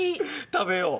食べよう。